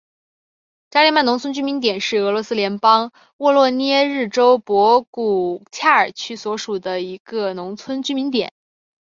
扎利曼农村居民点是俄罗斯联邦沃罗涅日州博古恰尔区所属的一个农村居民点。